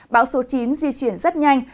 bão số chín di chuyển rất nhanh